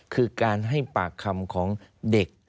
คือการให้ปากคำของเด็ก